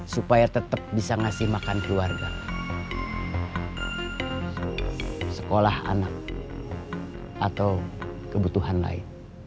supaya tetap bisa ngasih makan keluarga sekolah anak atau kebutuhan lain